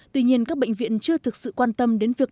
tuy nhiên các bệnh viện chưa thực sự quan tâm đến việc